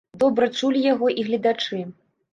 Добра чулі яго і гледачы.